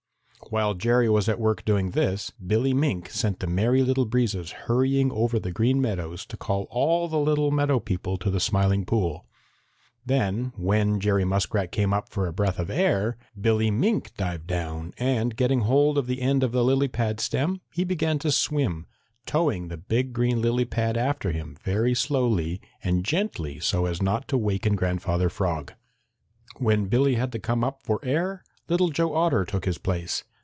While Jerry was at work doing this, Billy Mink sent the Merry Little Breezes hurrying over the Green Meadows to call all the little meadow people to the Smiling Pool. Then, when Jerry Muskrat came up for a breath of air, Billy Mink dived down and, getting hold of the end of the lily pad stem, he began to swim, towing the big green lily pad after him very slowly and gently so as not to waken Grandfather Frog. When Billy had to come up for air, Little Joe Otter took his place.